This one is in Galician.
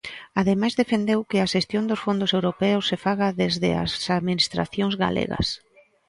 Ademais, defendeu que a xestión dos fondos europeos se faga desde as Administracións galegas.